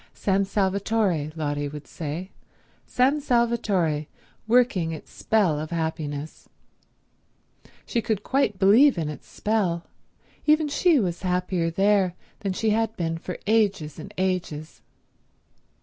San Salvatore, Lotty would say, San Salvatore working its spell of happiness. She could quite believe in its spell. Even she was happier there than she had been for ages and ages.